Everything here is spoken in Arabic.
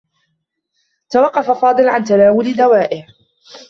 توقّف فاضل عن تناول دوائه.